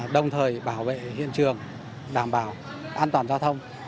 đồng thời bảo vệ hiện trường đảm bảo an toàn giao thông